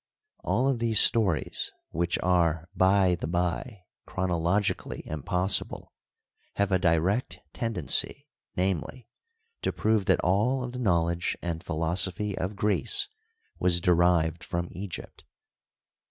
All of these stories, which are, by the by, chronologically impossible, have a direct tend ency, namely, to prove that all of the knowledge and Ehilosophy of Greece was derived from Egypt.